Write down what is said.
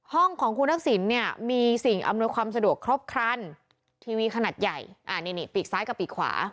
ห้องของคุณทักษิณเนี่ยมีสิ่งอำนวยความสะดวกครบครันทีวีขนาดใหญ่อ่านี่นี่ปีกซ้ายกับปีกขวา